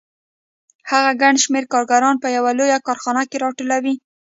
هغه ګڼ شمېر کارګران په یوه لویه کارخانه کې راټولوي